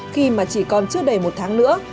khi mà chỉ còn trước đầy một tháng nữa